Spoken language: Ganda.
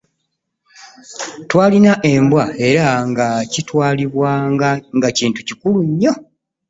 Twalina embwa era nga kitwalibwa nga kintu kikulu nnyo.